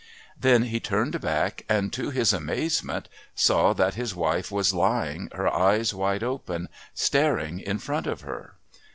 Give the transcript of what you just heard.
Then he turned back, and, to his amazement, saw that his wife was lying, her eyes wide open, staring in front of her.